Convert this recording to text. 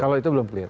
kalau itu belum clear